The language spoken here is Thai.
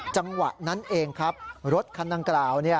จังหวะนั้นเองครับรถคันดังกล่าว